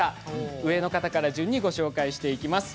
上の方から順番にご紹介していきます。